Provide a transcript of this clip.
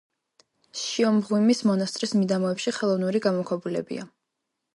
შიომღვიმის მონასტრის მიდამოებში ხელოვნური გამოქვაბულებია.